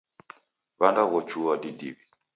Wandaghochua didiw'i.